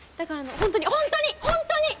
本当に本当に本当に！